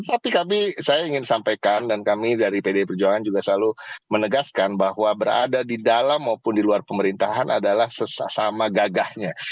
tapi saya ingin sampaikan dan kami dari pdi perjuangan juga selalu menegaskan bahwa berada di dalam maupun di luar pemerintahan adalah sesama gagahnya